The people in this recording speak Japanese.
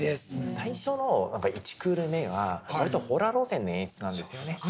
最初の１クール目は割とホラー路線の演出なんですよね。